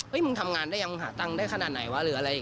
เฮ้ยมึงทำงานได้ยังมึงหาตังค์ได้ขนาดไหนวะ